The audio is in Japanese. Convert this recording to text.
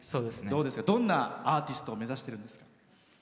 どんなアーティストを目指してるんですか？